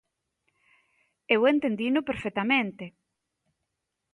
Eu entendino perfectamente.